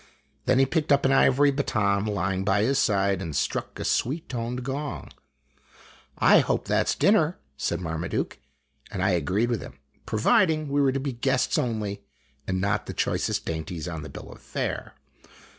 Then he picked up an ivory baton lying by his side, and struck a sweet toned gong. THE TONGALOO TOURNAMENT 19 " I hope that 's dinner," said Marmaduke, and I agreed with him, providing we w r ere to be guests only, and not the choicest dainties on the bill of fare.